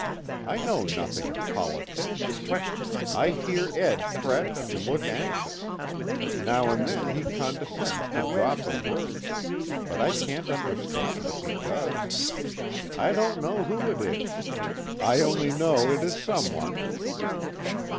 I know nothing of politics. I hear Ed fret and look anxious. Now and then he condescends to drop a word but I can't understand if he does. I don't know who it is. I only know it is some one."